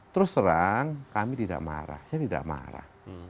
terus terang kami tidak marah saya tidak marah